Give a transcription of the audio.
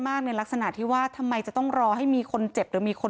แต่ถ้าแต่ละครั้งที่กำเริบแล้วโรคมันอาจจะเปลี่ยนแปลงไป